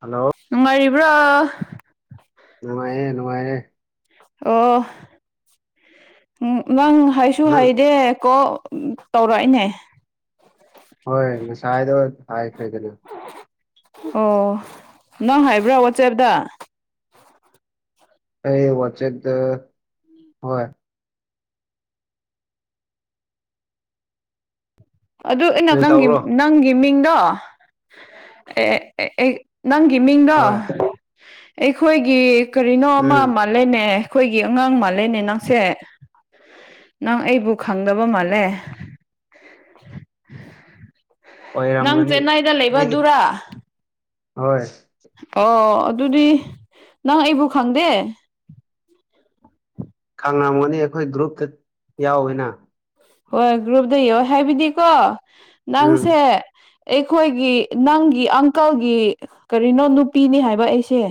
hello ꯅꯨꯡꯉꯥꯏꯔꯤꯕ꯭ꯔꯥ ꯅꯨꯡꯉꯥꯏꯦ ꯅꯨꯡꯉꯥꯏꯔꯦ ꯑꯣ ꯅꯪ ꯍꯥꯏꯁꯨ ꯅꯪ ꯍꯥꯏꯗꯦ ꯀꯣ ꯎ ꯇꯧꯔꯛꯏꯅꯦ ꯍꯣꯏ ꯉꯁꯥꯏꯗꯣ ꯍꯥꯏꯈ꯭ꯔꯦꯗꯅ ꯑꯣ ꯅꯪ ꯍꯥꯏꯕ꯭ꯔꯥ ꯋꯥꯆꯦꯞꯇ ꯑꯩ ꯋꯥ ꯎꯆꯦꯠ ꯍꯣꯏ ꯀꯔꯤ ꯑꯗꯨꯩꯅꯀꯪꯒꯤ ꯇꯧꯕ꯭ꯔꯣ ꯅꯪꯒꯤ ꯃꯤꯡꯗꯣ ꯑꯦ ꯅꯪꯒꯤ ꯃꯤꯡꯗꯣ ꯍꯣꯏ ꯑꯩꯈꯣꯏꯒꯤ ꯀꯔꯤꯅꯣ ꯑꯃ ꯎꯝ ꯃꯥꯜꯂꯦꯅꯦ ꯑꯩꯈꯣꯏꯒꯤ ꯑꯉꯥꯡ ꯃꯥꯜꯂꯦꯅꯦ ꯅꯪꯁꯦ ꯅꯪ ꯑꯩꯕꯨ ꯈꯪꯗꯕ ꯃꯥꯜꯂꯦ ꯅꯪ ꯑꯣꯏꯔꯝꯒꯅꯤ ꯆꯦꯟꯅꯥꯏꯗ ꯑꯩꯗꯤ ꯂꯩꯕꯗꯨꯔ ꯍꯣꯏ ꯑꯣ ꯑꯗꯨꯗꯤ ꯅꯪ ꯑꯩꯕꯨ ꯈꯪꯗꯦ ꯈꯥꯡꯅꯥꯃꯅꯤ ꯑꯩꯈꯣꯏ ꯒ꯭ꯔꯨꯞꯇ ꯌꯥꯎꯋꯦꯅ ꯍꯣꯏ ꯒ꯭ꯔꯨꯞꯗ ꯌꯣ ꯍꯥꯏꯕꯤꯗꯤꯀꯣ ꯎꯝ ꯅꯪꯁꯦ ꯑꯩꯈꯣꯏꯒꯤ ꯅꯪꯒꯤ ꯑꯪꯀꯜꯒꯤ ꯀꯔꯤꯅꯣ ꯅꯨꯄꯤꯅꯤ ꯍꯥꯏꯕ ꯑꯩꯁꯦ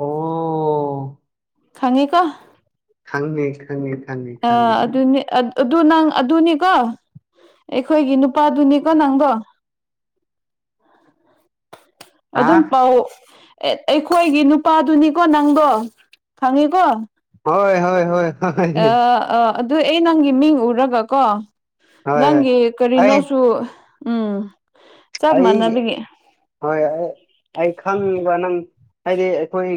ꯑꯣ ꯈꯪꯉꯤ ꯀꯣ ꯍꯪꯅꯤꯦ ꯍꯪꯉꯤ ꯑ ꯑꯗꯨꯅꯤ ꯑꯗꯨ ꯅꯪ ꯑꯗꯨꯅꯤꯀꯣ ꯑꯩꯈꯣꯏꯒꯤ ꯅꯨ ꯅꯨꯄꯥꯗꯨꯅꯤꯀꯣ ꯅꯪꯗꯣ ꯍꯥ ꯑꯗꯨꯝ ꯄꯥꯎ ꯑꯩꯈꯣꯏꯒꯤ ꯅꯨꯄꯥꯗꯨꯅꯤꯀꯣ ꯅꯪꯗꯣ ꯐꯪꯉꯤꯀꯣ ꯍꯣꯏ ꯍꯣꯏ ꯍꯣꯏ ꯍꯣꯏ ꯑ ꯍꯣꯏ ꯑꯥ ꯑꯗꯨ ꯑꯩ ꯅꯪꯒꯤ ꯃꯤꯡ ꯎꯔꯒ ꯀꯣ ꯍꯣꯏ ꯅꯪꯒꯤ ꯑꯩ ꯀꯔꯤꯅꯣꯁꯨ ꯎꯝ ꯆꯞ ꯑꯩ ꯃꯥꯟꯅꯕꯒꯤ ꯍꯣꯏ ꯑꯩ ꯈꯪꯉꯕ ꯅꯪ ꯍꯥꯏꯗꯤ ꯑꯩꯈꯣꯏ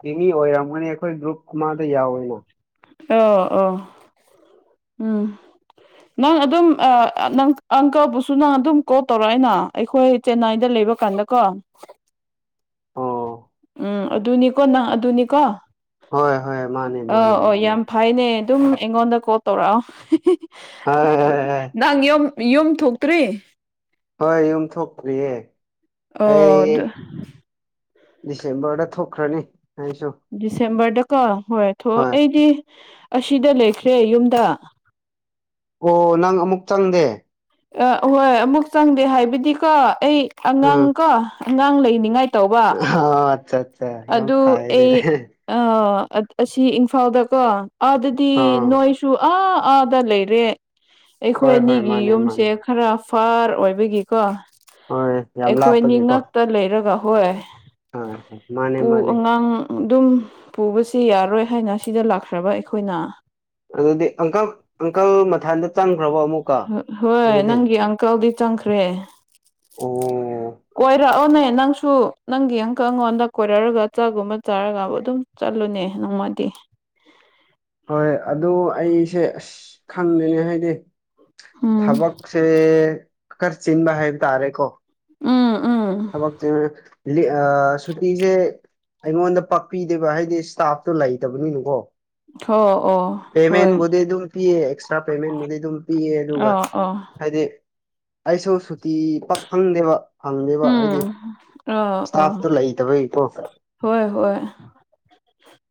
ꯊ ꯑꯣꯏꯔꯝ ꯃꯅꯤ ꯑꯩꯈꯣꯏ ꯭ꯔꯨꯞ ꯀ ꯃꯥꯥꯗ ꯌꯥꯣꯏꯅ ꯑ ꯑ ꯎꯝ ꯅꯪ ꯑꯗꯨꯝ ꯅꯪ ꯑꯪꯀꯕꯨꯁꯨ ꯅꯪ ꯑꯗꯨꯝ ꯀꯣꯜ ꯇꯧꯔꯛꯏꯅ ꯑꯩꯈꯣꯏ ꯆꯦꯟꯅꯥꯏꯗ ꯂꯩ [unintelligible] ꯀꯥꯟꯗ ꯀꯣ [inaudible] ꯑꯣ ꯎꯝ ꯑꯗꯨꯅꯤꯀꯣ ꯅꯪ ꯑꯗꯨꯅꯤꯀꯣ ꯍꯣꯏ ꯍꯣꯏ ꯃꯥꯅꯦ ꯃꯥꯅꯦ ꯑꯥ ꯑꯣ ꯃꯥꯅꯦ ꯌꯥꯝ ꯐꯩꯅꯦ ꯑꯗꯨꯝ ꯑꯩꯉꯣꯟꯗ ꯀꯣꯜ ꯇꯧꯔꯛꯑꯣ ꯅꯪ [unintelligible] ꯌꯨꯝ ꯌꯨꯝ ꯊꯣꯛꯇ꯭ꯔꯤ ꯍꯣꯏ ꯌꯨꯝ ꯊꯣꯛꯇ꯭ꯔꯤꯌꯦ ꯑꯣ ꯑꯩ ꯑꯗꯨ ꯗꯤꯁꯦꯝꯕꯔꯗ ꯊꯣꯛꯈ꯭ꯔꯅꯤ ꯍꯥꯏꯁꯨ ꯗꯤꯁꯦꯝꯕꯔꯗ ꯀꯣ ꯍꯣꯏ ꯊꯣꯛ ꯑꯩꯗꯤ ꯑꯁꯤꯗ ꯂꯩꯈ꯭ꯔꯦ ꯌꯨꯝꯗ ꯑꯣ ꯅꯪ ꯑꯃꯨꯛ ꯆꯪꯗꯦ ꯑ ꯍꯣꯏ ꯑꯃꯨꯛ ꯆꯪꯗꯦ ꯍꯥꯏꯕꯗꯤ ꯀꯣ ꯑꯩ ꯑꯉꯥꯡ ꯀꯣ ꯑꯉꯥꯡ ꯂꯩꯅꯤꯉꯥꯏ ꯑ ꯑꯠꯆꯥ ꯑꯠꯆꯥ ꯌꯥꯝ ꯑꯗꯨ ꯐꯅꯦ ꯑꯩ ꯑ ꯑꯁꯤ ꯏꯝꯐꯥꯜꯗꯀꯣ ꯑꯥꯗꯗꯤ ꯑꯥ ꯅꯣꯏꯁꯨ ꯑꯥ ꯑꯥꯗ ꯂꯩꯔꯦ ꯑꯩꯈꯣꯏ ꯍꯣꯏ ꯍꯣꯏ ꯑꯅꯤꯒꯤ ꯃꯥꯅꯦ ꯌꯨꯝꯁꯦ ꯃꯥꯅꯦ ꯈꯔ ꯐꯥꯔ ꯑꯣꯏꯕꯒꯤꯀꯣ ꯍꯣꯏ ꯌꯥꯝ ꯑꯩꯈꯣꯏꯅꯤ ꯉꯛꯇ ꯂꯩꯔꯒ ꯍꯣꯏ ꯍꯥ-ꯍ ꯄꯨ ꯑꯉꯥꯡ ꯗꯨꯝ ꯄꯨꯕꯁꯤ ꯌꯥꯔꯣꯏ ꯍꯥꯏꯅ ꯁꯤꯗ ꯂꯥꯛꯈ꯭ꯔꯕ ꯑꯩꯈꯣꯏꯅ ꯑꯗꯨꯗꯤ ꯑꯪꯀꯜ ꯑꯪꯀꯜ ꯃꯊꯥꯟꯗ ꯆꯪ ꯍꯣꯏ ꯅꯪꯒꯤ ꯑꯪꯀꯜꯗꯤ ꯆꯪꯈ꯭ꯔꯦ ꯑꯣ ꯀꯣꯢꯔꯛ ꯑꯧꯅꯦ ꯅꯪꯁꯨ ꯅꯪꯒꯤ ꯑꯪꯀꯜ ꯉꯣꯟꯗ ꯀꯣꯏꯔꯛꯔꯒ ꯆꯥꯛꯒꯨꯝꯕ ꯆꯥꯔꯒ ꯑꯗꯨꯝ ꯆꯠꯂꯨꯅꯦ ꯃꯥꯗꯤ ꯍꯣꯏ ꯑꯗꯨ ꯑꯩꯁꯦ ꯑꯁ ꯈꯪꯗꯦꯅꯦ ꯍꯥꯏꯗꯤ ꯎꯝ ꯊꯕꯛꯁꯦ ꯈꯔ ꯆꯤꯟꯕ ꯍꯥꯏꯕ ꯇꯥꯔꯦꯀꯣ ꯎꯝ ꯎꯝ ꯊꯕꯛꯇꯤ ꯂꯤ ꯑ ꯁꯨꯇꯤꯁꯦ ꯑꯩꯉꯣꯟꯗ ꯄꯥꯛꯄꯤꯗꯦꯕ ꯍꯥꯏꯗꯤ ꯁ꯭ꯇꯥꯐꯇꯣ ꯂꯩꯇꯕꯅꯤꯅꯀꯣ ꯍꯣ ꯑꯣ ꯍꯣꯏ ꯄꯦꯃꯦꯟꯕꯨꯗꯤ ꯗꯨꯝ ꯄꯤꯌꯦ ꯑꯦꯛꯁꯇ꯭ꯔꯥ ꯄꯦꯃꯦꯟꯕꯨꯗꯤ ꯑꯗꯨꯝ ꯄꯤꯌꯦ ꯑꯗꯨꯒ ꯑꯣ ꯑꯣ ꯍꯥꯏꯗꯤ ꯑꯩꯁꯨ ꯁꯨꯇꯤ ꯄꯛ ꯐꯪꯗꯦꯕ [unintelligible] ꯎꯝ ꯍꯥꯏꯗꯤ ꯑꯥ ꯑꯥ ꯏꯁ꯭ꯇꯥꯐꯇꯣ ꯂꯩꯇꯕꯩꯀꯣ [inaudible] ꯍꯣꯏ ꯍꯣꯏ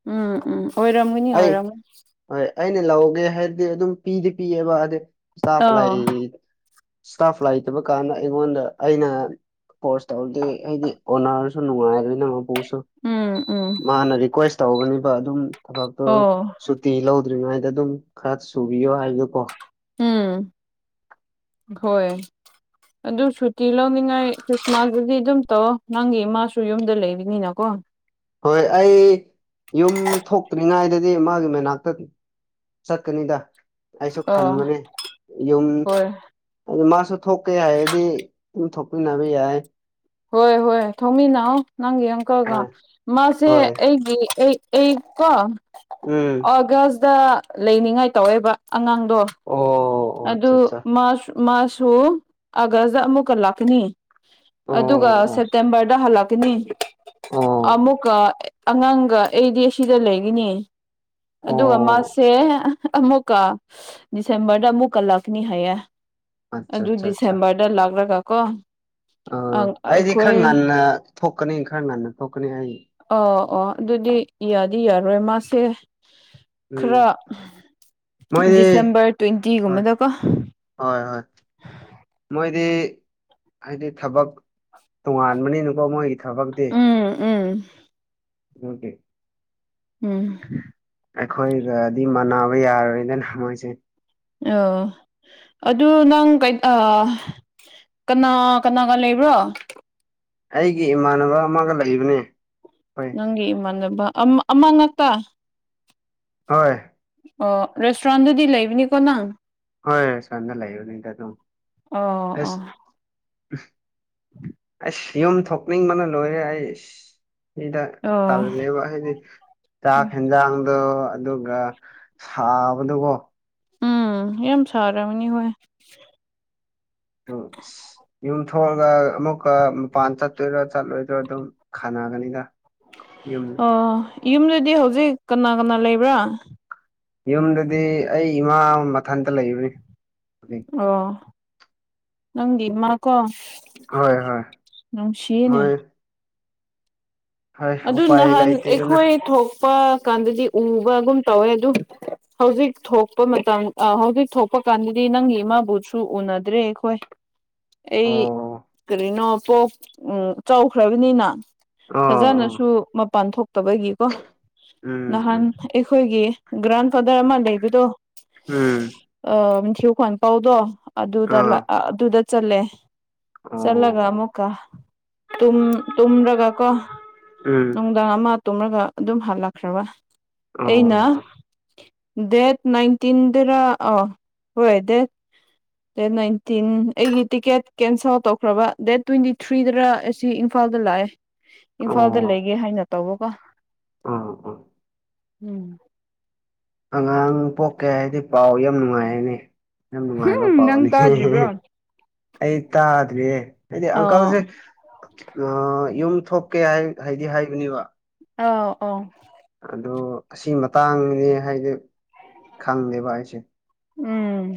ꯎꯝ ꯎꯝ ꯑꯣꯏꯔꯝꯉꯅꯤ ꯑꯣꯏꯔꯝꯉꯅꯤ ꯍꯣꯏ ꯑꯩꯅ ꯂꯧꯒꯦ ꯍꯥꯏꯔꯗꯤ ꯑꯗꯨꯝ ꯄꯤꯗꯤ ꯄꯤꯑꯦꯕ ꯑꯗꯤ ꯏꯁ꯭ꯇꯥꯐ ꯂꯩ ꯑꯥ ꯏꯁ꯭ꯇꯥꯐ ꯂꯩꯇꯕ ꯀꯥꯟꯗ ꯑꯩꯉꯣꯟꯗ ꯑꯩꯅ ꯀꯣꯔꯁ ꯇꯧꯗꯦ ꯍꯥꯏꯗꯤ ꯀꯣꯅꯔꯁꯨ ꯅꯨꯡꯉꯥꯏꯔꯃꯤꯅ ꯎꯝ ꯎꯝ [unintelligible] ꯃꯥꯅ ꯔꯤꯀ꯭ꯋꯦꯁ ꯇꯧꯕꯅꯤꯕ ꯑꯗꯨꯝ ꯊꯕꯛꯇꯣ ꯑꯣ ꯁꯨꯇꯤ ꯂꯧ ꯗ꯭ꯔꯤꯉꯥꯢꯗ ꯑꯗꯨꯝ ꯈꯔ ꯁꯨꯕꯤꯌꯣ ꯍꯥꯏꯕꯗꯀꯣ ꯎꯝ ꯍꯣꯏ ꯑꯗꯨ ꯁꯨꯇꯤ ꯂꯧꯅꯤꯡꯉꯥꯏ ꯈ꯭ꯔꯤꯁꯃꯥꯁꯕꯨꯀꯤ ꯑꯗꯨꯝ ꯇꯧꯑꯣ ꯅꯪꯒꯤ ꯏꯃꯥꯁꯨ ꯌꯨꯝꯗ ꯂꯩꯕꯅꯤꯅꯀꯣ ꯍꯣꯏ [unintelligible] ꯅꯥꯏꯗꯗꯤ ꯃꯥꯒꯤ ꯃꯅꯥꯛꯇ ꯆꯠꯀꯅꯤꯗ ꯑꯩꯁꯨ ꯑꯥ ꯈꯟꯕꯅꯦ ꯌꯨꯝ ꯍꯣꯏ ꯑꯗꯣ ꯃꯥꯁꯨ ꯊꯣꯛꯀꯦ ꯍꯥꯏꯑꯗꯤ ꯗꯨꯝ ꯊꯣꯛꯃꯤꯟꯅꯕ ꯌꯥꯏ ꯍꯣꯏ ꯍꯣꯏ ꯊꯣꯛꯃꯤꯟꯅꯥꯑꯧ ꯅꯪꯒꯤ ꯑꯪꯀꯜꯒ ꯍꯣꯏ ꯃꯥꯁꯦ ꯍꯣꯏ ꯑꯩꯒꯤ ꯑꯩ ꯑꯩ ꯀꯣ ꯎꯝ ꯑꯥꯒꯁꯗ ꯂꯩꯅꯤꯡꯉꯥꯏ ꯇꯧꯋꯦꯕ ꯑꯉꯥꯡꯗꯣ ꯑꯣ ꯑꯣ ꯑꯠꯆꯥ ꯑꯗꯨ ꯑꯠꯆꯥ ꯃꯥꯁ ꯃꯥꯁꯁꯨ ꯑꯥꯒꯁꯗ ꯑꯃꯨꯛꯀ ꯂꯥꯛꯀꯤꯅꯤ ꯑꯗꯨꯒ ꯑꯣ ꯑꯣ ꯁꯦꯞꯇꯦꯝꯕꯔꯗ ꯍꯜꯂꯛꯀꯤꯅꯤ ꯑꯣ ꯑꯃꯨꯛꯀ ꯑꯦ ꯑꯉꯥꯡꯒ ꯑꯩꯗꯤ ꯑꯁꯤꯗ ꯂꯩꯒꯤꯅꯤ ꯑꯗꯨꯒ ꯑꯣ ꯃꯥꯁꯦ ꯑꯃꯨꯛꯀꯥ ꯗꯤꯁꯦꯝꯕꯔꯗ ꯑꯃꯨꯛꯀ ꯂꯥꯛꯀꯅꯤ ꯍꯥꯏꯌꯦ ꯑꯠꯆꯥ ꯑꯗꯨ ꯗꯤꯁꯦꯝꯕꯔꯗ ꯂꯥꯛꯔꯒ ꯀꯣ ꯑ ꯑꯩꯗꯤ ꯈꯔ ꯑꯩꯈꯣꯏ ꯉꯟꯅ ꯊꯣꯛꯀꯅꯤ ꯈꯔ ꯉꯟꯅ ꯊꯣꯛꯀꯅꯤ ꯑꯩ ꯑꯣ ꯑꯣ ꯑꯗꯨꯗꯤ ꯌꯥꯗꯤ ꯌꯥꯔꯣꯏ ꯃꯥꯁꯦ ꯎꯝ ꯈꯔ ꯃꯣꯏꯗꯤ ꯗꯤꯁꯦꯝꯕꯔ ꯍꯣꯏ ꯇ꯭ꯋꯦꯟꯇꯤꯒꯨꯝꯕꯗꯀꯣ ꯍꯣꯏ ꯍꯣꯏ ꯃꯣꯏꯗꯤ ꯍꯥꯏꯗꯤ ꯊꯕꯛ ꯇꯣꯉꯥꯟꯕꯅꯤꯅꯀꯣ ꯃꯣꯏꯒꯤ ꯊꯕꯛꯇꯤ ꯎꯝ ꯎꯝ ꯗꯨꯇꯤ ꯎꯝ ꯑꯩꯈꯣꯏꯒꯗꯤ ꯃꯥꯟꯅꯕ ꯌꯥꯔꯣꯏꯗꯅ ꯃꯣꯏꯁꯦ ꯑ ꯑꯗꯨ ꯅꯪ ꯀꯩꯠ ꯑ ꯀꯅꯥ ꯀꯅꯥꯒ ꯂꯩꯕ꯭ꯔꯣ ꯑꯩꯒꯤ ꯏꯃꯥꯟꯅꯕ ꯑꯃꯒ ꯂꯩꯕꯅꯦ ꯍꯣꯏ ꯅꯪꯒꯤ ꯏꯃꯥꯟꯅꯕ ꯑꯃ ꯑꯃ ꯉꯥꯛꯇ ꯍꯣꯏ ꯑꯣ ꯔꯦꯁꯇ꯭ꯔꯣꯟꯗꯗꯤ ꯂꯩꯕꯅꯦꯀꯣ ꯅꯪ ꯍꯣꯏ ꯁꯥꯔꯅ ꯂꯩꯕꯅꯤ [unintelligible] ꯑꯣ ꯑꯣ ꯎ ꯎꯝ ꯌꯨꯝ ꯊꯣꯛꯅꯤꯡꯕꯅ ꯂꯣꯏꯔꯦ ꯑꯩꯁ ꯁꯤꯗ ꯑꯣ ꯇꯜꯂꯦꯕ ꯍꯥꯏꯗꯤ ꯆꯥꯛ ꯍꯦꯟꯖꯥꯡꯗ ꯑꯗꯨꯒ ꯁꯥꯕꯗꯨꯀꯣ ꯎꯝ ꯌꯥꯝꯦꯝ ꯁꯔꯅꯤ ꯑꯣꯏꯣꯏ ꯑ ꯌꯨꯝ ꯊꯣꯛꯂꯒ ꯑꯃꯨꯛꯀ ꯃꯄꯥꯟ ꯆꯠꯇꯣꯏꯗ ꯆꯠꯂꯣꯏꯗꯔꯥ ꯑꯗꯨꯝ ꯈꯥꯅ ꯃꯥꯒꯅꯤꯒ ꯑꯣ ꯌꯨꯝꯗꯨꯗꯤ ꯍꯧꯖꯤꯛ ꯀꯅꯥ ꯀꯅꯥ ꯂꯩꯕ꯭ꯔꯥ ꯌꯨꯝꯗꯗꯤ ꯑꯩ ꯏꯃꯥ ꯃꯊꯟꯇ ꯂꯩꯕꯅꯤ ꯍꯧꯖꯤꯛ ꯑꯣ ꯅꯪ ꯗꯤꯃꯀꯣ ꯍꯣꯏ ꯍꯣꯏ ꯃꯣꯏ ꯍꯣꯏ ꯑꯗꯨ ꯎꯄꯥꯏ ꯅꯍꯥꯟ ꯂꯩꯇꯦꯗꯅ ꯑꯩꯈꯣꯏ ꯊꯣꯛꯄ ꯀꯥꯟꯗꯗꯤ ꯎꯕꯒꯨꯝ ꯇꯧꯋꯦ ꯑꯗꯨꯝ ꯍꯧꯖꯤꯛ ꯊꯣꯛꯄ ꯃꯇꯝ ꯍꯧꯖꯤꯛ ꯊꯣꯛꯄ ꯀꯥꯟꯗꯗꯤ ꯅꯪꯒꯤ ꯏꯃꯥꯕꯨꯁꯨ ꯎꯅꯗ꯭ꯔꯦ ꯑꯩꯈꯣꯏ ꯑꯩ ꯑꯣ ꯀꯔꯤꯅꯣ ꯄꯣꯛ ꯎ ꯆꯥꯎꯈ꯭ꯔꯕꯅꯤꯅ ꯑꯣ ꯑꯣ ꯁꯨ ꯃꯄꯥꯟ ꯊꯣꯛꯇꯕꯒꯤꯀꯣ ꯎꯝ ꯅꯍꯥꯟ ꯎꯝ ꯑꯩꯈꯣꯏꯒꯤ ꯭ꯔꯥꯟ ꯐꯥꯗꯔ ꯑꯃꯃ ꯂꯩꯕꯤꯗꯣ ꯎꯝ ꯈꯣꯟ ꯀꯧꯗꯣ ꯑꯗꯨꯗ ꯑꯥ ꯑꯗꯨꯗ ꯆꯠꯂꯦ ꯑꯣ ꯆꯠꯂꯒ ꯑꯃꯨꯛꯀ ꯇꯨꯝꯔꯒ ꯀꯣ ꯎꯝ ꯅꯨꯡꯗꯥꯡ ꯑꯃ ꯇꯨꯝꯂꯒ ꯑꯗꯨꯝ ꯍꯜꯂꯛꯈ꯭ꯔꯕ ꯑꯩꯅ ꯑꯣ ꯗꯦꯠ ꯅꯥꯏꯟꯇꯤꯟ ꯑ ꯍꯣꯏ ꯗꯦꯠ ꯗꯦꯠ ꯅꯥꯏꯟꯇꯤꯟ ꯑꯩꯒꯤ ꯇꯤꯀꯦꯠ ꯀꯦꯟꯁꯦꯜ ꯇꯧꯈ꯭ꯔꯕ ꯗꯦꯠ ꯇ꯭ꯋꯦꯟꯇꯤ ꯊ꯭ꯔꯤꯗꯔ ꯑꯁꯤꯝꯐꯥꯜ ꯐꯗ ꯂꯑ ꯑ ꯏꯝꯐꯥꯗ ꯂꯩꯒꯦ ꯍꯥꯏꯅ ꯇꯧꯕꯒ ꯑꯣ ꯑꯣ ꯎꯝ ꯑꯉꯥꯡ ꯄꯣꯛꯀꯦ ꯍꯥꯏꯗꯤ ꯄꯥꯎ ꯌꯥꯝ ꯅꯨꯡꯉꯥꯏꯔꯅꯤ ꯌꯥꯝ ꯅꯨꯡꯉꯥꯏꯕ ꯎꯝ ꯅꯪ ꯄꯋꯥꯅꯤꯦ ꯇꯥꯗ꯭ꯔꯤꯕ꯭ꯔꯣ ꯑꯩ ꯇꯥꯗ꯭꯭ꯔꯔꯤꯦ ꯍꯥꯏꯗꯤ ꯑꯣ ꯑꯪꯀꯜꯁꯦ ꯌꯨꯝ ꯊꯣꯛꯀꯦ ꯍꯥꯏ ꯍꯥꯏꯗꯤ ꯍꯥꯏꯕꯅꯦꯕ ꯑ ꯑ ꯑꯣ ꯑꯁꯤ ꯃꯇꯥꯡꯅꯦ ꯍꯥꯏꯗꯤ ꯈꯪꯉꯦꯕ ꯑꯩꯁꯦ ꯎꯝ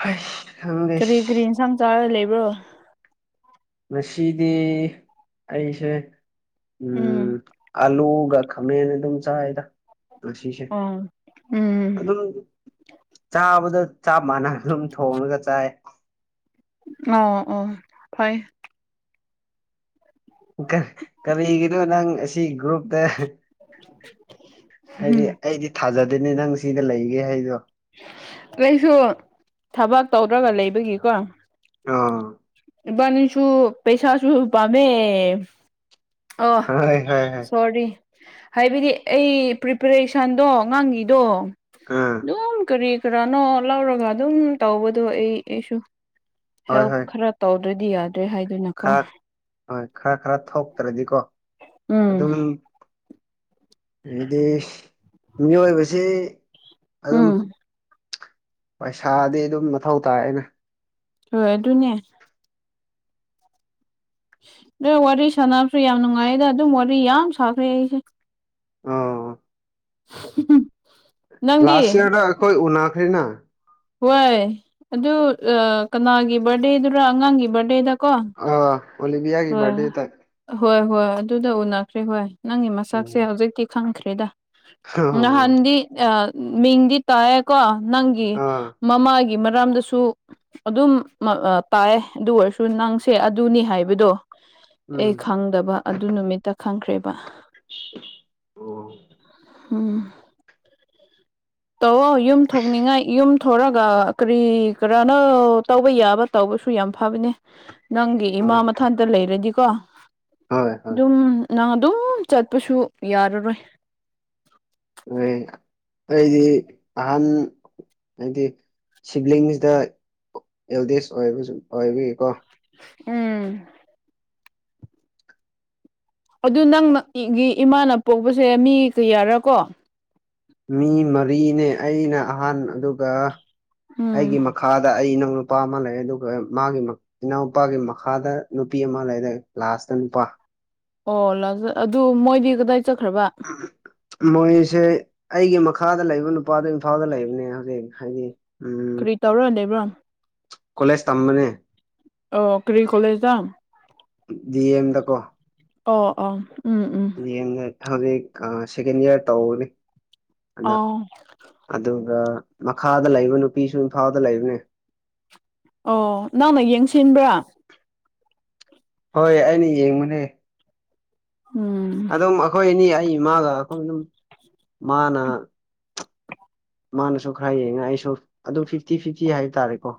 ꯍꯩꯁ ꯈꯪꯗꯦ ꯀꯔꯤ ꯀꯔꯤ ꯌꯦꯟꯁꯥꯡ ꯆꯥꯔ ꯂꯩꯕ꯭ꯔꯣ ꯉꯁꯤꯗꯤ ꯑꯩꯁꯦ ꯎꯝ ꯑꯂꯨꯒ ꯈꯥꯃꯦꯅ ꯑꯗꯨꯝ ꯆꯥꯏꯗ ꯉꯁꯤꯁꯦ ꯑꯣ ꯎꯝ ꯑꯗꯨꯝ ꯆꯥꯕꯗ ꯆꯞ ꯃꯥꯟꯅ ꯑꯗꯨꯝ ꯊꯣꯡꯉꯒ ꯆꯥꯏ ꯑꫭ ꯎꯝ ꯐꯩ ꯀꯔꯤꯒꯤꯅꯣ ꯅꯪ ꯑꯁꯤ ꯒ꯭ꯔꯨꯞꯇ ꯍꯥꯏꯗꯤ ꯑꯩꯗꯤ ꯊꯥꯖꯗꯦꯅꯦ ꯅꯪ ꯁꯤꯗ ꯂꯩꯒꯦ ꯍꯥꯏꯗꯣ ꯑꯩꯁꯨ ꯊꯕꯛ ꯇꯧꯗꯧꯕ ꯂꯩꯕꯒꯤꯀꯣ ꯑꫭ ꯏꯕꯥꯅꯤꯁꯨꯨ ꯄꯩꯁꯥꯁꯨ ꯄꯥꯝꯃꯦ ꯑꯣ ꯍꯣꯏ ꯍꯣꯏ ꯍꯣꯏ ꯁꯣꯔꯤ ꯍꯥꯏꯕꯗꯤ ꯑꯩ ꯄ꯭ꯔꯤꯄꯔꯦꯁꯟꯗꯣꯉꯥꯡꯒꯤꯗꯣ ꯑꯥ ꯑꯗꯨꯝ ꯀꯔꯤ ꯀꯅꯅꯣ ꯂꯧꯔꯒ ꯑꯗꯨꯝ ꯇꯧꯕꯗꯣ ꯑꯩ ꯑꯩꯁꯨ ꯍꯣꯏ ꯍꯦꯜꯞ ꯍꯣꯏ ꯈꯔ ꯇꯧ ꯑꯗꯨꯗꯤ ꯌꯥꯗ꯭ꯔꯦ ꯍꯥꯏꯗꯨꯅ ꯀꯣ ꯈꯔ ꯍꯣꯏ ꯈꯔ ꯈꯔ ꯊꯣꯛꯇ꯭ꯔꯗꯤꯀꯣ ꯎꯝ ꯑꯗꯨꯝ ꯍꯥꯏꯗꯤ ꯃꯤꯑꯣꯏꯕꯁꯤ ꯑꯗꯨꯝ ꯎꯝ ꯄꯩꯁꯥꯗꯤ ꯑꯗꯨꯝ ꯃꯊꯧ ꯇꯥꯏꯌ‌ꯦꯅ‌ꯦ ꯍꯣꯏ ꯑꯗꯨꯅꯦ ꯅꯣꯏ ꯋꯥꯔꯤ ꯁꯥꯟꯅꯕꯁꯨ ꯌꯥꯝ ꯅꯨꯡꯉꯥꯏꯗ ꯑꯗꯨꯝ ꯋꯥꯔꯤ ꯌꯥꯝ ꯁꯥꯈ꯭ꯔꯦ ꯑꯩꯁꯦ ꯑꫭ ꯎ [unintelligible] ꯂꯥꯁ ꯏꯌꯥꯔꯗ ꯑꯩꯈꯣꯏ ꯎꯈꯔꯤꯅ ꯍꯣꯏ ꯑꯗꯨ ꯀꯅꯥꯒꯤ ꯕꯥꯔꯗꯦꯗꯨꯔ ꯑꯉꯥꯡꯒꯤ ꯕꯥꯔꯗꯦꯗ ꯀꯣ ꯑ ꯑꯣꯂꯤꯕꯤꯌꯥꯒꯤ ꯍꯣꯏ ꯕꯔꯗꯦ ꯇꯥꯏ ꯍꯣꯏ ꯍꯣꯏ ꯑꯗꯨꯗ ꯎꯅꯈ꯭ꯔꯦ ꯍꯣꯏ ꯅꯪꯒꯤ ꯃꯁꯥꯛꯁꯦ ꯎꯝ ꯍꯧꯖꯤꯛꯇꯤ ꯈꯪꯈ꯭ꯔꯦꯗ ꯅꯍꯥꯟꯗꯤ ꯃꯤꯡꯗꯤ ꯇꯥꯏꯀꯣ ꯅꯪꯒꯤ ꯑꯥ ꯃꯃꯥꯒꯤ ꯒꯤ ꯃꯔꯥꯝꯗꯁꯨ ꯑꯗꯨꯝ ꯇꯥꯏꯑ ꯑꯗꯨ ꯑꯣꯏꯔꯁꯨ ꯅꯪꯁꯦ ꯑꯗꯨꯅꯤ ꯍꯥꯏꯕꯗꯣ ꯑꯩ ꯎꯝ ꯈꯪꯗꯕ ꯑꯗꯨ ꯅꯨꯃꯤꯠꯇ ꯈꯪꯈ꯭ꯔꯦꯕ ꯑꯣ ꯎꯝ ꯇꯧꯑꯣ ꯌꯨꯝ ꯊꯣꯛꯅꯤꯡꯉꯥꯏ ꯌꯨꯝ ꯊꯣꯔꯒ ꯀꯔꯤ ꯀꯔꯥꯅ ꯇꯧꯕ ꯌꯥꯕ ꯇꯧꯕꯁꯨ ꯌꯥꯝ ꯐꯕꯅꯦ ꯅꯪꯒꯤ ꯏꯃꯥ ꯍꯣꯏ ꯃꯊꯟꯇ ꯂꯩꯔꯗꯤꯀꯣ ꯍꯣꯏ ꯍꯣꯏ ꯑꯗꯨꯝ ꯅꯪ ꯑꯗꯨꯝ ꯆꯠꯄꯁꯨ ꯌꯥꯔꯔꯣꯏ ꯍ ꯑꯩꯗꯤ ꯑꯍꯟ ꯍꯥꯏꯗꯤ ꯁꯤꯕ꯭ꯂꯤꯡꯁꯤꯗ ꯑꯦꯜꯗꯦꯖ ꯑꯣꯏꯕꯁꯨ ꯑꯣꯏꯕꯒꯤꯀꯣ ꯎꯝ ꯑꯗꯨ ꯅꯪꯅ ꯏꯃꯥꯅ ꯄꯣꯛꯄꯁꯦ ꯃꯤ ꯀꯌꯥꯔꯀꯣ ꯃꯤ ꯃꯔꯤꯅꯦ ꯑꯩꯅ ꯑꯍꯥꯟ ꯑꯗꯨꯒ ꯎꯝ ꯑꯩꯒꯤ ꯃꯈꯥꯗ ꯑꯩꯅ ꯅꯨꯄꯥ ꯑꯃ ꯂꯩꯌ‌ꯦ ꯑꯗꯨꯒ ꯃꯥꯒꯤ ꯏꯅꯥꯎꯄꯥꯒꯤ ꯃꯈꯥꯗ ꯅꯨꯄꯤ ꯑꯃ ꯂꯩꯌ‌ꯦ ꯂꯥꯁꯇ ꯅꯨꯄꯥ ꯑꯣ ꯂꯥꯛ ꯑꯗꯨ ꯃꯣꯏꯗꯤ ꯀꯗꯥꯏ ꯆꯠꯈ꯭ꯔꯕ ꯃꯣꯏꯁꯦ ꯑꯩꯒꯤ ꯃꯈꯥꯗ ꯂꯩꯕ ꯅꯨꯞ ꯅꯨꯄꯥꯗꯣ ꯏꯝꯐꯥꯜꯗ ꯂꯩꯕꯅꯦ ꯍꯧꯖꯤꯛ ꯍꯥꯏꯗꯤ ꯎꯝ ꯀꯔꯤ ꯇꯧꯔꯥ ꯂꯩꯕ꯭ꯔꯣꯥ ꯀꯣꯂꯦꯖ ꯇꯝꯕꯅꯦ ꯑꯣ ꯀꯔꯤ ꯀꫭꯂ‌ꯦꯖ ꯇꯥ ꯗꯤꯑꯝꯗ ꯀꫭ ꯑꯣ ꯑꫭ ꯌꯦꯡꯉꯥ ꯍꯧꯖꯤꯛ ꯑꯥ ꯁꯦꯀꯦꯟ ꯏꯌꯥꯔ ꯇꯧꯕꯅꯤ ꯑꯗ ꯑꯣ ꯑꯗꯨ ꯑ ꯃꯈꯥꯗ ꯂꯩꯕ ꯅꯨꯄꯤꯁꯨ ꯏꯝꯐꯥꯗ ꯂꯩꯕꯅꯦ ꯑꯣ ꯅꯪꯅ ꯌꯦꯡꯁꯤꯟꯕ꯭ꯔꯥ ꯍꯣꯏ ꯑꯩꯅ ꯌꯦꯡꯕꯅꯦ ꯎꯝ ꯑꯗꯨꯝ ꯑꯩꯈꯣꯏ ꯑꯅꯤ ꯑꯩ ꯏꯃꯥꯒ ꯑꯩꯈꯣꯏ ꯑꯗꯨꯝ ꯃꯥꯅ ꯃꯥꯅꯁꯨ ꯈꯔ ꯌꯦꯡꯉ ꯑꯩꯁꯨ ꯑꯗꯨ ꯐꯤꯐꯇꯤ ꯐꯤꯐꯇꯤ ꯍꯥꯏ ꯇꯥꯔꯦꯀꯣ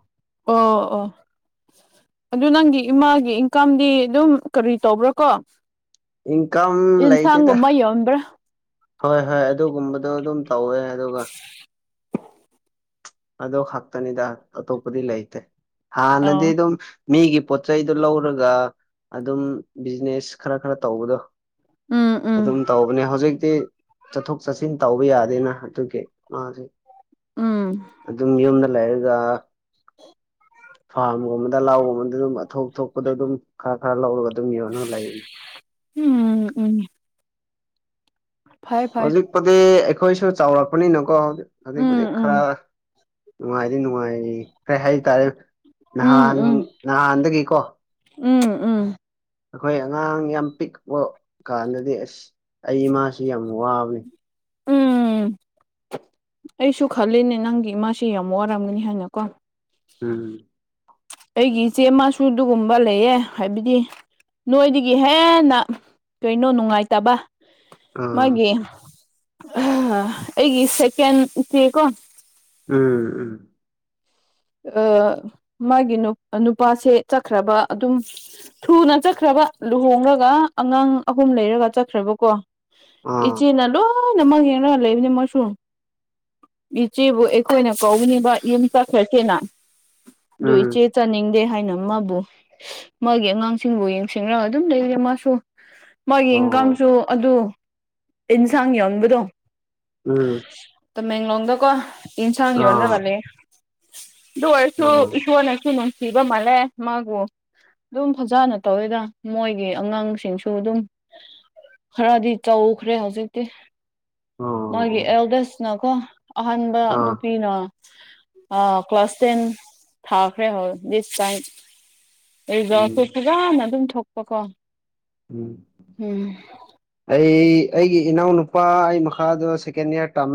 ꯑꯣ ꯑꯣ ꯑꯗꯨ ꯅꯪꯒꯤ ꯏꯃꯥꯒꯤ ꯏꯟꯀꯥꯝꯗꯤ ꯑꯗꯨꯝ ꯀꯔꯤ ꯇꯧꯕ꯭ꯔꯥ ꯀꯣ ꯏꯟꯀꯝ ꯏꯟ ꯁꯒꯣ ꯂꯩꯇꯦꯗ ꯃꯌꯥ ꯑꯣꯟꯕ꯭ꯔꯥ ꯍꯣꯏ ꯍꯣꯏ ꯑꯗꯨꯒꯨꯝꯕꯗꯣ ꯑꯗꯨꯝ ꯇꯧꯋꯦ ꯑꯗꯨꯒ ꯑꯗꯣ ꯈꯥꯛꯛꯇꯅꯤꯗ ꯑꯇꯣꯞꯄꯗꯤ ꯂꯩꯇꯦ ꯍꯥꯟꯅꯗꯤ ꯑꯣ ꯑꯗꯨꯝ ꯃꯤꯒꯤ ꯄꯣꯠ ꯆꯩꯗꯨ ꯂꯧꯔꯒ ꯑꯗꯨꯝ ꯕꯤꯖꯤꯅꯦꯁ ꯈꯔ ꯈꯔ ꯇꯧꯕꯗꯣ ꯎꯝ ꯎꯝ ꯑꯗꯨꯝ ꯇꯧꯕꯅꯦ ꯍꯧꯖꯤꯛꯇꯤ ꯆꯠꯊꯣꯛ ꯆꯠꯁꯤꯟ ꯇꯧꯕ ꯌꯥꯗꯦꯅ ꯑꯗꯨꯒꯤ ꯃꯥꯁ ꯎꯝ ꯑꯗꯨꯝ ꯌꯨꯝꯗ ꯂꯩꯑꯒ ꯐꯥꯔꯝꯒꯨꯝꯕꯗ ꯂꯥꯎꯒꯨꯝꯕꯗ ꯑꯗꯨꯝ ꯑꯊꯣꯞ ꯑ ꯊꯣꯛꯄꯗ ꯑꯗꯨꯝ ꯈꯔ ꯈꯔ ꯂꯧꯔꯒ ꯑꯗꯨꯝ ꯌꯣꯟꯅ ꯂꯩ ꯎꯝ ꯎꯝ ꯐꯩ ꯐꯩ ꯍꯧꯖꯤꯛꯄꯨꯗꯤ ꯑꯩꯈꯣꯏꯁꯨ ꯆꯥꯎꯔꯛꯄꯅꯤꯅꯀꯣ ꯍꯧꯖꯤꯛꯄꯗꯤ ꯎꯝ ꯎꯝ ꯈꯔ ꯎ ꯑꯗꯨ ꯅꯨꯡꯉꯥꯏꯌꯦ ꯀꯩ ꯍꯥꯏꯇꯥꯔꯦ ꯎꯝ ꯅꯍꯥꯟ ꯎꯝ ꯅꯍꯥꯟꯗꯒꯤꯀꯣ ꯎꯝ ꯎꯝ ꯑꯩꯈꯣꯏ ꯑꯉꯥꯡ ꯌꯥꯝ ꯄꯤꯛꯄ ꯀꯥꯟꯗꯗꯤ ꯑꯁ ꯑꯩ ꯏꯃꯥꯁꯤ ꯌꯥꯝ ꯋꯥꯕꯅꯤ ꯎꯝ ꯑꯩꯁꯨ ꯈꯜꯂꯤꯅꯦ ꯅꯪꯒꯤ ꯏꯃꯥꯥꯁꯦ ꯌꯥꯝ ꯋꯥꯔꯝꯒꯅꯤ ꯍꯥꯏꯅꯀꯣ ꯎꯝ ꯑꯩꯒꯤ ꯏꯆꯦ ꯃꯁꯨ ꯑꯗꯨꯒꯨꯝꯕ ꯂꯩꯌꯦ ꯍꯥꯏꯕꯗꯤ ꯅꯣꯏꯗꯒꯤ ꯍꯦꯟꯅ ꯀꯩꯅꯣ ꯅꯨꯡꯉꯥꯏꯇꯕ ꯑꯥ ꯃꯥꯒꯤꯦ ꯑ ꯑꯩꯒꯤ ꯁꯦꯀꯦꯟ ꯏ ꯆꯦꯀꯣ ꯎꯝ ꯎꯝ ꯃꯥꯒꯤ ꯅꯨꯄꯥꯁꯦ ꯆꯠꯈ꯭ꯔꯕ ꯑꯗꯨꯝ ꯊꯨꯅ ꯆꯠꯈ꯭ꯔꯕ ꯂꯨꯍꯣꯡꯔꯒ ꯑꯉꯥꯡ ꯑꯍꯨꯝ ꯂꯩꯔꯒ ꯆꯠꯈ꯭ꯔꯦꯕꯀꯣ ꯑꯥ ꯏꯆꯦꯗꯣ ꯍꯣꯏ ꯅꯃꯛ ꯌꯦꯡꯅ ꯂꯩꯕꯅꯤ ꯃꯣꯏꯁꯨ ꯏꯆꯦꯕꯨ ꯑꯩꯈꯣꯏꯅ ꯀꯧꯅꯤꯡꯕ ꯌꯨꯝ ꯆꯈ ꯦ ꯑꯗꯨ ꯎꯝ ꯏꯆꯦ ꯆꯥꯅꯤꯡꯗꯦ ꯍꯥꯏ ꯑꯩꯅ ꯃꯥꯕꯨ ꯃꯥꯒꯤ ꯑꯉꯥꯡꯁꯤꯡꯕꯨ ꯌꯦꯡꯁꯤꯟꯔꯒ ꯑꯗꯨꯝ ꯂꯩꯔꯦ ꯃꯥꯁꯨ ꯃꯥꯒꯤ ꯑꯣ ꯏꯟꯀꯝꯁꯨ ꯑꯗꯨ ꯑꯦꯟꯁꯥꯡ ꯌꯎꯕꯗꯣ ꯎꯝ ꯇꯃꯦꯡꯂꯣꯡꯗꯀꯣ ꯌꯦꯟꯁꯥꯡ ꯑꯥ ꯌꯣꯟꯗ꯭ꯔꯒꯂ ꯑꯗꯨ ꯑꯣꯏꯔꯁꯨ ꯑꯥ ꯏꯁꯣꯔꯅꯁꯨ ꯅꯨꯡꯁꯤꯕ ꯃꯥꯜꯂꯦ ꯃꯥꯕꯨ ꯑꯗꯨꯝ ꯐꯖꯅ ꯇꯧꯋꯤꯗ ꯃꯣꯏꯒꯤ ꯑꯉꯥꯡꯁꯤꯡꯁꯨ ꯑꯗꯨꯝ ꯍꯔꯗꯤ ꯆꯧ ꯎꯈ꯭ꯔꯦ ꯍꯧꯖꯤꯛꯇꯤ ꯃꯥꯒꯤ ꯑꯣ ꯑꯦꯜꯗꯦꯁꯅꯀꯣ ꯑꯍꯥꯟꯕ ꯑꯥ ꯅꯨꯄꯤꯅ ꯑ ꯀ꯭ꯂꯥꯁ ꯇꯦꯟ ꯊꯥꯈ꯭ꯔꯦ ꯍ ꯗꯤꯁ ꯇꯥꯏꯝ ꯑꯩꯗꯣꯁꯨ ꯎꯝ ꯐꯖꯅ ꯑꯗꯨꯝ ꯊꯣꯛꯄ ꯀꯣ ꯝ ꯑꯩ ꯑꯩꯒꯤ ꯏꯅꯥꯎ ꯅꯨꯄꯥ ꯑꯩ ꯃꯈꯥꯗꯣ ꯁꯦꯀꯦꯟ ꯏꯌꯥꯔ ꯇꯝꯃꯦ